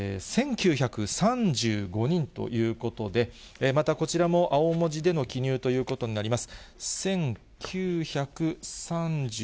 １９３５人ということで、また、こちらも青文字での記入ということになります。